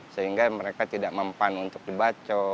sehingga mereka tidak mempan untuk dibaco